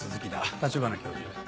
立花教授